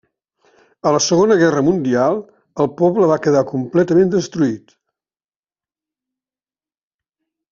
A la Segona Guerra Mundial el poble va quedar completament destruït.